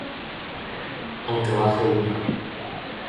aunque baje una